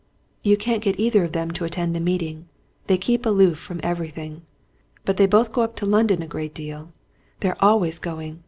You can't get either of 'em to attend a meeting they keep aloof from everything. But they both go up to London a great deal they're always going.